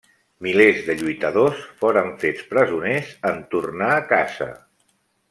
Milers de lluitadors foren fets presoners en tornar a casa.